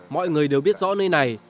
mọi người đều biết rõ nơi này